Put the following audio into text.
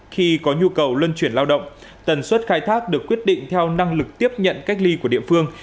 khi có nhu cầu luân chuyển lao động tần suất khai thác được quyết định theo năng lực tiếp nhận cách ly của địa phương